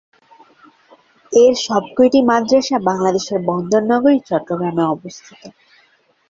এর সব কয়টি মাদ্রাসা বাংলাদেশের বন্দর নগরী চট্টগ্রামে অবস্থিত।